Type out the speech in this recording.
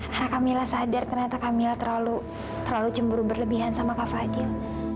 karena kamila sadar ternyata kamila terlalu cemburu berlebihan sama kak fadil